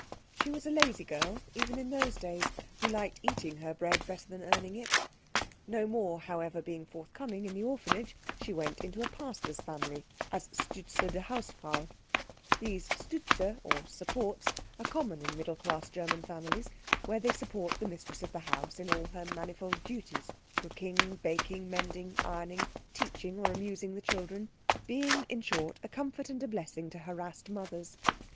She was a lazy girl even in those days, who liked eating her bread better than earning it. No more, however, being forthcoming in the orphanage, she went into a pastor's family as Stütze der Hausfrau. These Stütze, or supports, are common in middle class German families, where they support the mistress of the house in all her manifold duties, cooking, baking, mending, ironing, teaching or amusing the children being in short a comfort and blessing to harassed mothers.